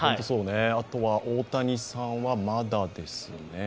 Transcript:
あとは大谷さんはまだですね。